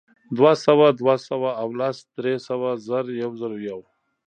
دوهسوه، دوه سوه او لس، درې سوه، زر، یوزرویو